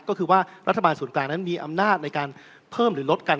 ก็คือว่ารัฐบาลส่วนกลางนั้นมีอำนาจในการเพิ่มหรือลดกัน